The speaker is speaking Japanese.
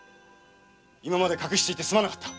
今まで隠していてすまなかった。